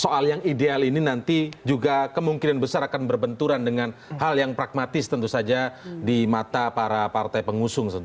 soal yang ideal ini nanti juga kemungkinan besar akan berbenturan dengan hal yang pragmatis tentu saja di mata para partai pengusung